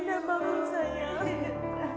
dia sudah berubah kembali ke kondisi yang sama